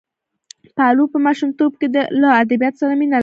پاولو په ماشومتوب کې له ادبیاتو سره مینه لرله.